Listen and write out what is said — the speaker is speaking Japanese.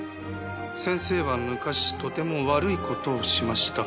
先生は昔とても悪いことをしました。